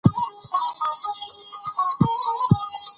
چې د چك او جغتو ترمنځ غځېدلى سړك